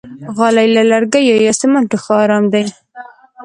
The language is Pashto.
غالۍ له لرګیو یا سمنټو ښه آرام دي.